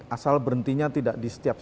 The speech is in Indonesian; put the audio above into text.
asal berhentinya tidak di setiap